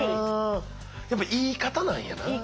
やっぱ言い方なんやな。